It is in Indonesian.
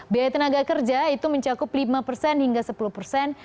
biaya tenaga kerja itu mencakup lima persen hingga sepuluh persen